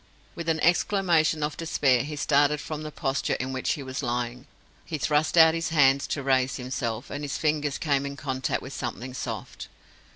With an exclamation of despair, he started from the posture in which he was lying. He thrust out his hands to raise himself, and his fingers came in contact with something soft.